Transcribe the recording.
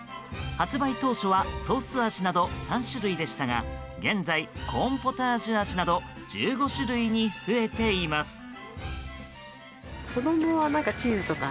発売当初はソース味など３種類でしたが現在、コーンポタージュ味など１５種類に増えています。